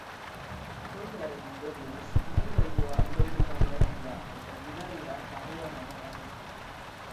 Kolpearen ondorioz, ibilgailua iraulita geratu da, eta gidaria barruan harrapatuta.